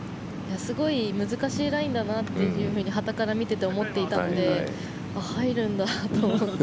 すごい難しいラインだってはたから見ていて思っていたので入るんだと思って。